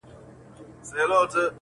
څوک چي ستا په قلمرو کي کړي ښکارونه!!